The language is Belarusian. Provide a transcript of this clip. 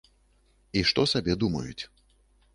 І што сабе думаюць.